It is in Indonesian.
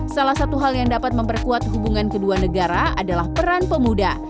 salah satu hal yang dapat memperkuat hubungan kedua negara adalah peran pemuda